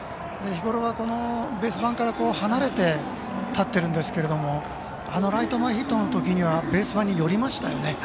日ごろは、ベース板から離れて立ってるんですけどあのライト前ヒットのときにはベース板に寄りましたよね。